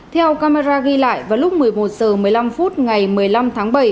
theo camera ghi lại vào lúc một mươi một h một mươi năm phút ngày một mươi năm tháng bảy